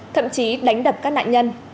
thậm chí đánh đập các nạn nhân